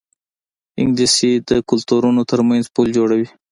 انګلیسي د کلتورونو ترمنځ پل جوړوي